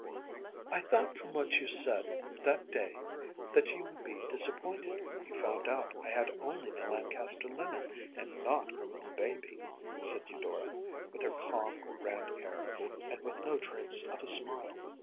“I thought from what you said that day that you would be disappointed when you found out I had only the Lancaster linen and not a real baby,‚ÄĚ said Eudora with her calm, grand air and with no trace of a smile.